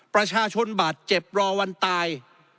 ประชาชนบาดเจ็บรอวันตาย